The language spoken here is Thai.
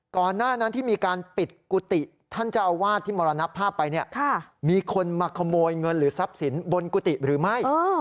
ก่อนหน้านั้นที่มีการปิดกุฏิท่านเจ้าอาวาสที่มรณภาพไปเนี่ยมีคนมาขโมยเงินหรือทรัพย์สินบนกุฏิหรือไม่